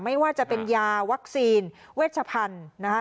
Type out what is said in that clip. ไม่ว่าจะเป็นยาวัคซีนเวชพันธุ์นะคะ